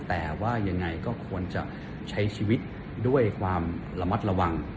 แต่ว่ายังไงก็ควรจะใช้ชีวิตด้วยความระมัดระวัง